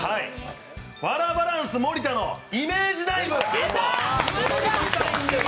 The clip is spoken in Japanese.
ワラバランス盛田のイメージダイブ。